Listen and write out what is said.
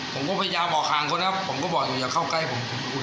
ผมก็พยายามบอกห่างเขานะผมก็บอกอยู่อย่าเข้าใกล้ผม